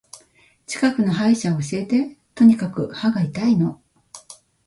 近くの歯医者教えて。とにかく歯が痛いの。